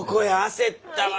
焦ったわ。